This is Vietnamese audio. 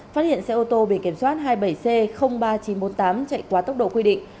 phát hiện xe ô tô biển kiểm soát hai mươi bảy c ba nghìn chín trăm bốn mươi tám chạy quá tốc độ quy định